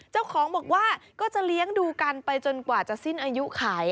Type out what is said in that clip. เจ้าของบอกว่าก็จะเลี้ยงดูกันไปจนกว่าจะสิ้นอายุไข